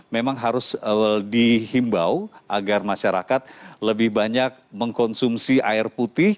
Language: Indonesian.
memang harus dihimbau agar masyarakat lebih banyak mengkonsumsi air putih